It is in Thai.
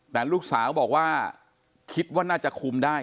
แต่ลูกสาวบอกว่าคิดว่าน่าจะคุมได้